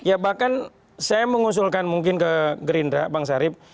ya bahkan saya mengusulkan mungkin ke gerindra bang sarip